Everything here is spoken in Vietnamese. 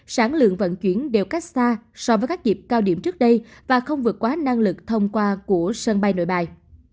sản lượng vận chuyển đều cách xa so với các dịp cao điểm trước đây và không vượt quá năng lực thông qua của sân bay nội bài